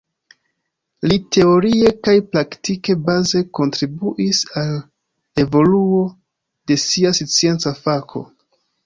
Li teorie kaj praktike baze kontribuis al evoluo de sia scienca fako.